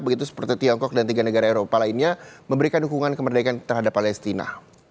begitu seperti tiongkok dan tiga negara eropa lainnya memberikan dukungan kemerdekaan terhadap palestina